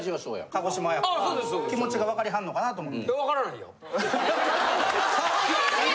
鹿児島やから気持ちが分かりはんのかなと思って。